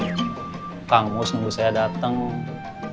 nganter uang buat ngebangun masjid di kampungnya